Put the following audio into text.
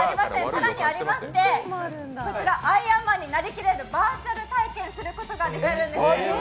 更にありましてアイアンマンになれるバーチャル体験をすることができます。